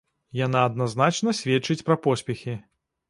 Яна адназначна сведчыць пра поспехі.